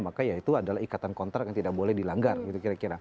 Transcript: maka ya itu adalah ikatan kontrak yang tidak boleh dilanggar gitu kira kira